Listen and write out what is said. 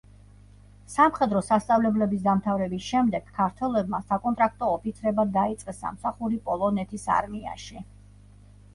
სამხედრო სასწავლებლების დამთავრების შემდეგ, ქართველებმა საკონტრაქტო ოფიცრებად დაიწყეს სამსახური პოლონეთის არმიაში.